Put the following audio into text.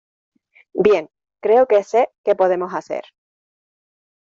Bien, creo que sé qué podemos hacer.